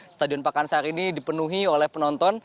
stadion pakansari ini dipenuhi oleh penonton